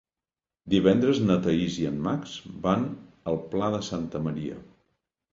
Divendres na Thaís i en Max van al Pla de Santa Maria.